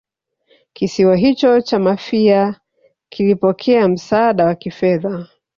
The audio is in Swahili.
kisiwa hicho cha Mafia kilipokea msaada wa kifedha